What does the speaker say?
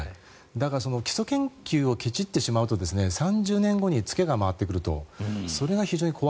だからその基礎研究をけちってしまうと３０年後に付けが回ってくると。